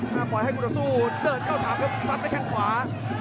ไม่ต้องต้องเผ่าให้คุณสู้ด้านข้างขวา